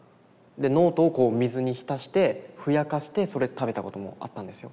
ノートを水に浸してふやかしてそれ食べたこともあったんですよ。